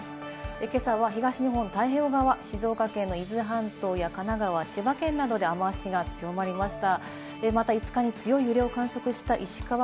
今朝は東日本、太平洋側、静岡県の伊豆半島や神奈川、千葉で雨脚が強まりました。